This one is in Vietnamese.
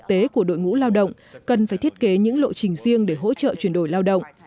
các chuyên gia quốc tế của đội ngũ lao động cần phải thiết kế những lộ trình riêng để hỗ trợ chuyển đổi lao động